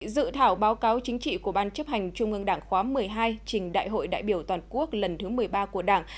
dự thảo báo cáo chính trị của ban chấp hành trung ương đảng khóa một mươi hai trình đại hội đại biểu toàn quốc lần thứ một mươi ba của đảng